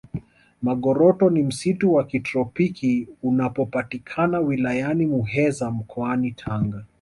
magoroto ni msitu wa kitropiki unapopatikana wilayani muheza mkoani tanga